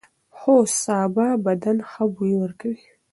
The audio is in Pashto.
هو، سابه بدن ښه بوی ورکوي.